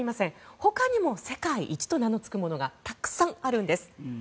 ほかにも世界一と名のつくものがたくさんあるんです。